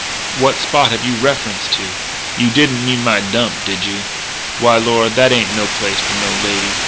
What spot have you reference to? You didn't mean my 'Dump,' did you? Why, Lord, that ain't no place for no lady....